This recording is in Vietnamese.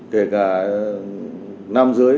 kể cả nam dưới